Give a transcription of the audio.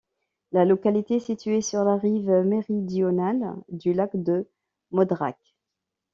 La localité est situé sur la rive méridionale du lac de Modrac.